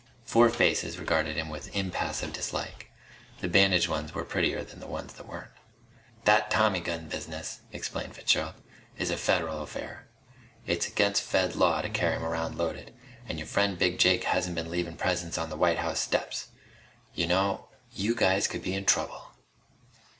Four faces regarded him with impassive dislike. The bandaged ones were prettier than the ones that weren't. "That tommy gun business," explained Fitzgerald, "is a federal affair. It's against Fed law to carry 'em around loaded. And your friend Big Jake hasn't been leavin' presents on the White House steps. Y'know, you guys could be in trouble!"